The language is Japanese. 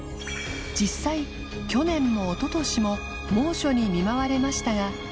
去年もおととしも猛暑に見舞われましたが弔悩遒